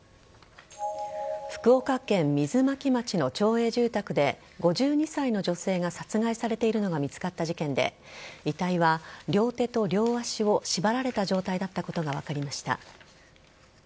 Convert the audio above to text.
福岡県水巻町の町営住宅で５２歳の女性が殺害されているのが見つかった事件で遺体は、両手と両足を縛られた状態だったことが分かりました。